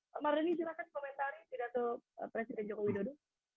pak mardhani silahkan komentari pidato presiden joko widodo